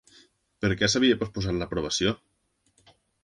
Per què s'havia posposat l'aprovació?